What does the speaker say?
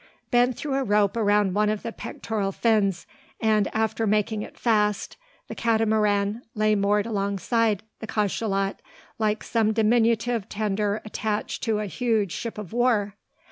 Ben threw a rope around one of the pectoral fins; and, after making it fast, the Catamaran lay moored alongside the cachalot, like some diminutive tender attached to a huge ship of war!